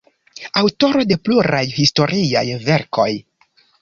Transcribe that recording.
Aŭtoro de pluraj historiaj verkoj.